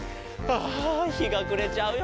あひがくれちゃうよ。